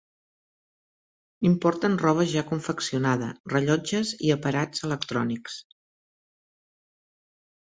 Importen roba ja confeccionada, rellotges i aparats electrònics.